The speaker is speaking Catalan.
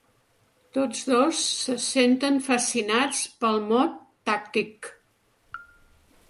Tots dos se senten fascinats pel mot «tàctic».